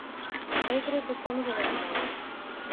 Eu creo que o estamos demostrando.